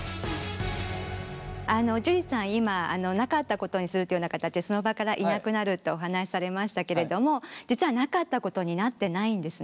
樹さん今なかったことにするというような形でその場からいなくなるってお話されましたけれども実はなかったことになってないんですね。